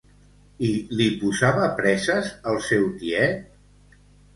I li posava presses el seu tiet?